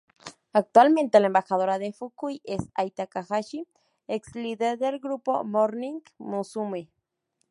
Actualmente, la embajadora de Fukui es Ai Takahashi ex-líder del grupo Morning Musume